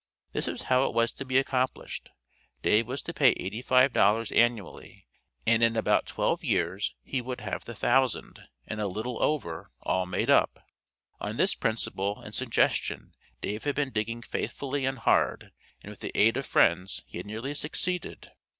This was how it was to be accomplished: Dave was to pay eighty five dollars annually, and in about twelve years he would have the thousand, and a little over, all made up. On this principle and suggestion Dave had been digging faithfully and hard, and with the aid of friends he had nearly succeeded.